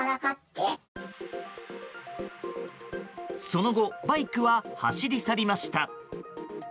その後バイクは走り去りました。